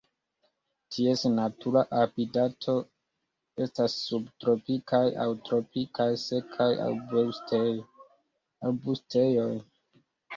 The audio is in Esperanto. Ties natura habitato estas subtropikaj aŭ tropikaj sekaj arbustejoj.